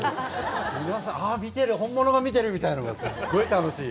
皆さん、あ本物が見てるみたいな、すごい楽しい。